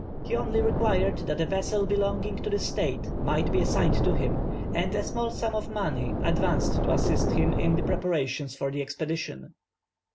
He only required that a vessel belonging to the state might be assigned to him, and a small sum of money advanced to assist him in the preparations for the expedition.